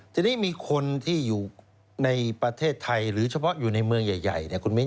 ทีนี้มีคนที่อยู่ในประเทศไทยหรือเฉพาะอยู่ในเมืองใหญ่เนี่ยคุณมิ้น